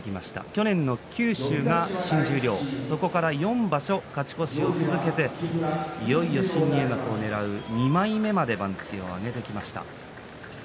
去年の秋場所新十両それから勝ち越しを続けていよいよ新入幕をねらう２枚目まで番付を上げてきました。